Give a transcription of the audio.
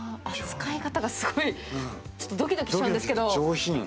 扱い方がすごい、ちょっとドキドキしたんですけど。